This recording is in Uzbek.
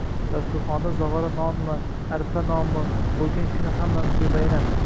Dasturxonda zog‘ora nonmi, arpa nonmi bo‘lgan kuni hammamizga bayram.